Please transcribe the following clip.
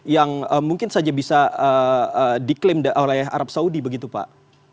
yang mungkin saja bisa diklaim oleh arab saudi begitu pak